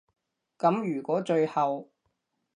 噉如果最後